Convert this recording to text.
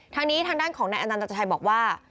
ทางด้านนี้ทางด้านของนายอนันตัชชัยบอกว่า